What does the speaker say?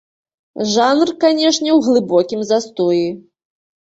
Жанр, канешне, у глыбокім застоі.